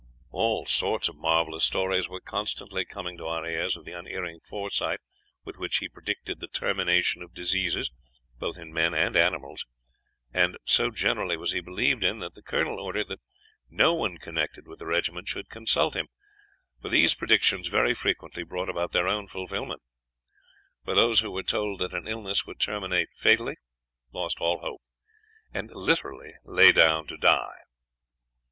All sorts of marvelous stories were constantly coming to our ears of the unerring foresight with which he predicted the termination of diseases, both in men and animals; and so generally was he believed in that the colonel ordered that no one connected with the regiment should consult him, for these predictions very frequently brought about their own fulfillment; for those who were told that an illness would terminate fatally, lost all hope, and literally lay down to die.